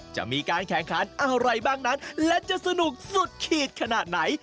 จะมีการแข่งขันอะไรบ้างนั้นและจะสนุกสุดขีดขนาดไหน